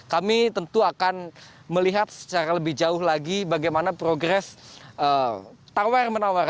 kami tentu akan melihat secara lebih jauh lagi bagaimana progres tawar menawar